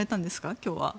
今日は。